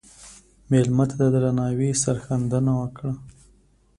مېلمه ته د درناوي سرښندنه وکړه.